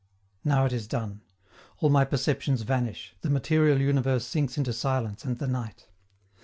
Now it is done; all my perceptions vanish, the material universe sinks into silence and the night.